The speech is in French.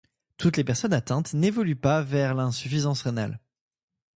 Toutes les personnes atteintes n'évoluent pas vers l'insuffisance rénale.